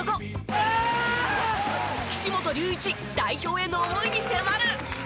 岸本隆一代表への思いに迫る。